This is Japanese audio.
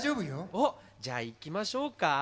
おっじゃあいきましょうか。